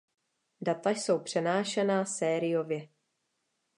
Data jsou přenášena sériově.